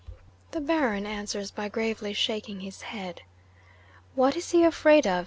'The Baron answers by gravely shaking his head. What is he afraid of?